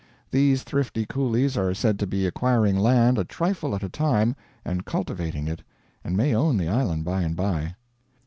These thrifty coolies are said to be acquiring land a trifle at a time, and cultivating it; and may own the island by and by.